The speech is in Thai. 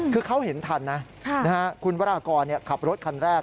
คือเขาเห็นทันนะคุณวรากรขับรถคันแรก